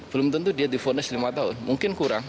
belum tentu dia difonis lima tahun mungkin kurang